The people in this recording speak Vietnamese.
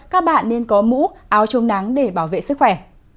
các bạn nên có mũ áo chống nắng để bảo vệ sức khỏe